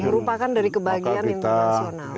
merupakan dari kebagian internasional